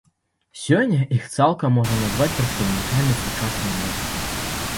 Сёння іх цалкам можна назваць прадстаўнікамі сучаснай музыкі.